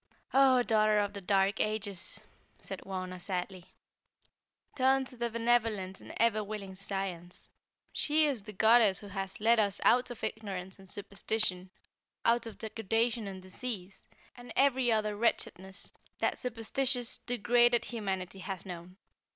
"Oh, daughter of the dark ages," said Wauna, sadly, "turn to the benevolent and ever willing Science. She is the goddess who has led us out of ignorance and superstition; out of degradation and disease, and every other wretchedness that superstitious, degraded humanity has known.